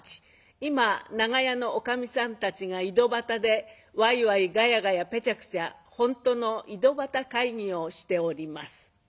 今長屋のおかみさんたちが井戸端でワイワイガヤガヤペチャクチャ本当の井戸端会議をしております。